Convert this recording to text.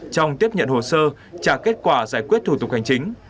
trong tiếp nhận hồ sơ trả kết quả giải quyết thủ tục hành chính